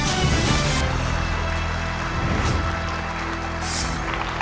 ตัวเลือกที่สองชุดประแจบล็อกครับ